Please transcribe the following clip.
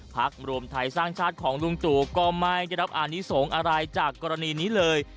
รวมไทยสร้างชาติของลุงตู่ก็ไม่ได้รับอานิสงฆ์อะไรจากกรณีนี้เลย